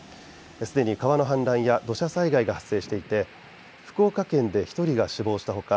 すでに川の氾濫や土砂災害が発生していて福岡県で１人が死亡した他